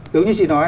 đúng như chị nói